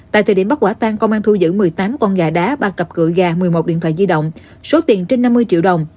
tại thời điểm bắt quả tang công an thu giữ một mươi tám con gà đá ba cặp cửa gà một mươi một điện thoại di động số tiền trên năm mươi triệu đồng